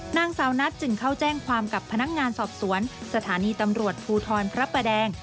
นางสาวนัทจึงเข้าแจ้งความกับพนักงานสอบสวนสถานีตำรวจภูทรพระประแดง